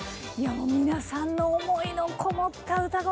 もう皆さんの思いのこもった歌声